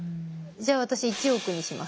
じゃあ私１億にします。